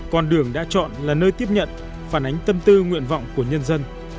con đường đã chọn là nơi tiếp nhận phản ánh tâm tư nguyện vọng của nhân dân